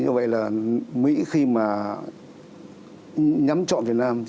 như vậy là mỹ khi mà nhắm chọn việt nam